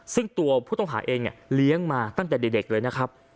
ซึ่งตัวผู้ต้องหาเองเนี่ยเลี้ยงมาตั้งแต่เด็กเลยนะครับ